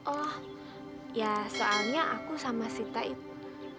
oh ya soalnya aku sama sita itu